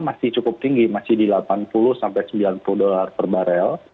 masih cukup tinggi masih di delapan puluh sampai sembilan puluh dolar per barel